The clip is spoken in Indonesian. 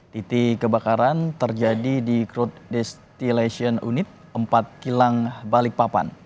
titi kebakaran terjadi di crude destillation unit empat kilang balikpapan